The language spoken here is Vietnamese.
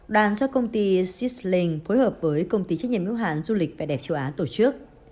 đoàn do công ty sizzling phối hợp với công ty trách nhiệm ưu hạn du lịch và đẹp châu á tổ chức